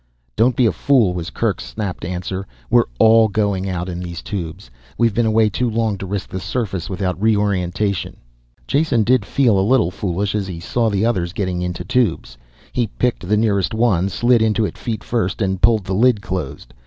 "Don't be a fool," was Kerk's snapped answer. "We're all going out in these tubes. We've been away too long to risk the surface without reorientation." Jason did feel a little foolish as he saw the others getting into tubes. He picked the nearest one, slid into it feet first, and pulled the lid closed.